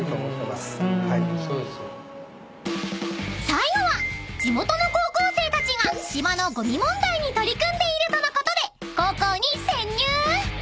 ［最後は地元の高校生たちが島のゴミ問題に取り組んでいるとのことで高校に潜入！］